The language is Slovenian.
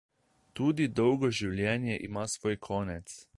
Tudi dolgo življenje ima svoj konec.